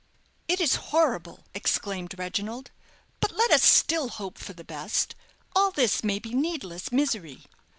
"It is horrible!" exclaimed Reginald; "but let us still hope for the best. All this may be needless misery."